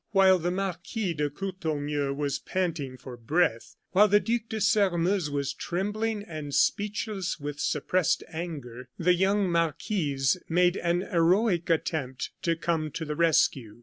While the Marquis de Courtornieu was panting for breath while the Duc de Sairmeuse was trembling and speechless with suppressed anger, the young marquise made an heroic attempt to come to the rescue.